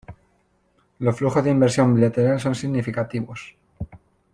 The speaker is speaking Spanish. Los flujos de inversión bilateral son significativos.